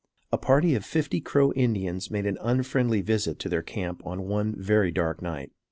A party of fifty Crow Indians made an unfriendly visit to their camp on one very dark night.